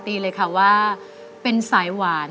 ไปดูกันนะครับว่าผิดตรงไก่ร้องก็คือ